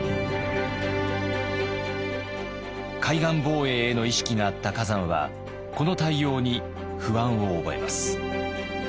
海岸防衛への意識があった崋山はこの対応に不安を覚えます。